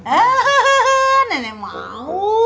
eh nenek mau